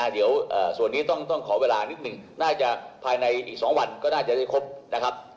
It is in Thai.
เดี๋ยวส่วนนี้ต้องขอเวลานิดหนึ่งน่าจะภายในอีก๒วันก็น่าจะได้ครบนะครับ